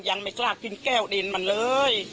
ยังไม่กล้ากินแก้วดินมันเลย